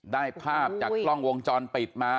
ได้ภาพจากกล้องวงจรปิดมา